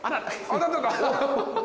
あなただ。